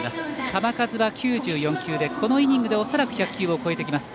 球数は９４球でこのイニングで恐らく１００球を超えてきます。